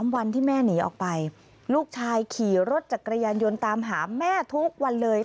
วันที่แม่หนีออกไปลูกชายขี่รถจักรยานยนต์ตามหาแม่ทุกวันเลย